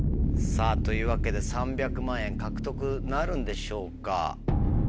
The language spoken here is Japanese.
さぁというわけで３００万円獲得なるんでしょうか？